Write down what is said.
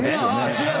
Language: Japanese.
違う。